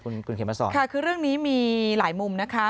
คุณเขมสอนค่ะคือเรื่องนี้มีหลายมุมนะคะ